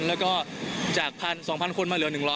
แล้วก็จาก๑๒๐๐คนมาเหลือ๑๐๐